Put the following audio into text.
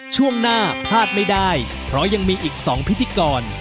ช่วงหน้าพลาดไม่ได้เพราะยังมีอีก๒พิธีกร